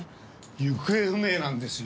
行方不明なんですよ。